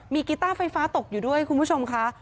มีกีต้าไฟฟ้าตกอยู่ด้วยคุณผู้ชมค่ะ